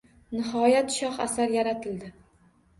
Nihoyat, shoh asar yaratildi!